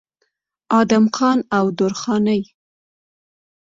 ادم خان او درخانۍ